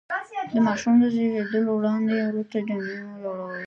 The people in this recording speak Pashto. د ماشوم زېږېدلو وړاندې ورته جامې مه جوړوئ.